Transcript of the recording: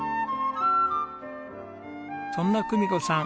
そんな久美子さん